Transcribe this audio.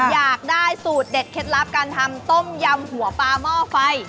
อยากได้สูตรเด็ดเคล็ดลับการทำต้มยำหัวปลาหม้อไฟ